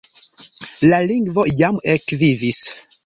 La lingvo jam ekvivis.